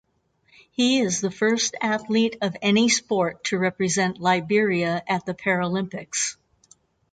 He is the first athlete of any sport to represent Liberia at the Paralympics.